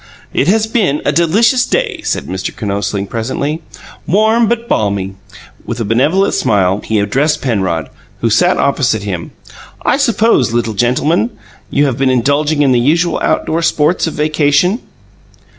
"It has been a delicious day," said Mr. Kinosling, presently; "warm but balmy." With a benevolent smile he addressed Penrod, who sat opposite him. "I suppose, little gentleman, you have been indulging in the usual outdoor sports of vacation?"